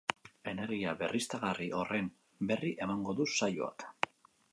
Energia berriztagarri horren berri emango du saioak.